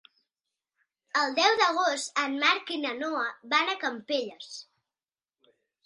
El deu d'agost en Marc i na Noa van a Campelles.